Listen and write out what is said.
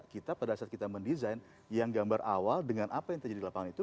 kita pada saat kita mendesain yang gambar awal dengan apa yang terjadi di lapangan itu